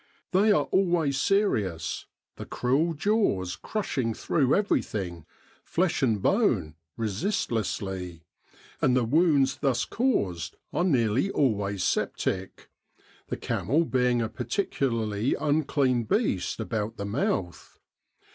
They are always serious, the cruel jaws crushing through everything, flesh and bone, resistlessly ; and the wounds thus caused are nearly always septic, the camel being a particularly unclean beast about the mouth.